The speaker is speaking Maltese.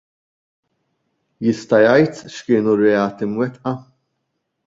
Jista' jgħid x'kienu r-reati mwettqa?